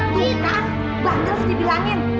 bukan bang jelis dibilangin